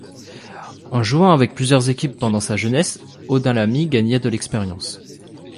En jouant avec plusieurs équipes pendant sa jeunesse Odunlami gagna de l'expérience.